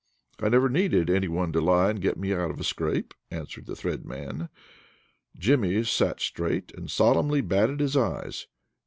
"I never needed any one to lie and get me out of a scrape," answered the Thread Man. Jimmy sat straight and solemnly batted his eyes.